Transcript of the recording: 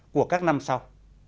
của các năm sau